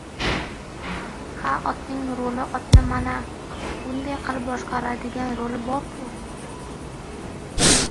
— Ha, otning ruli, otni mana bunday qilib boshqaradigan ruli bor-ku?